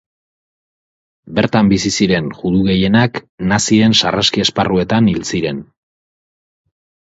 Bertan bizi ziren judu gehienak nazien sarraski-esparruetan hil ziren.